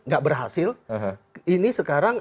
gak berhasil ini sekarang